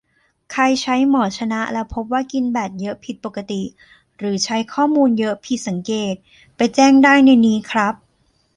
ใครใช้ หมอชนะ แล้วพบว่ากินแบตเยอะผิดปกติ หรือใช้ข้อมูลเยอะผิดสังเกต ไปแจ้งได้ในนี้ครับ